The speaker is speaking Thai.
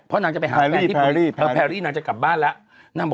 เพราะแพรที่ปะเรียจะกลับบ้านละ